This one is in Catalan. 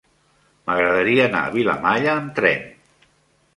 M'agradaria anar a Vilamalla amb tren.